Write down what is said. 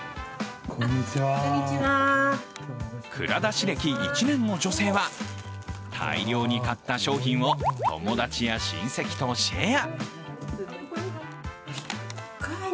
Ｋｕｒａｄａｓｈｉ歴１年の女性は、大量に買った商品を友達や親戚とシェア。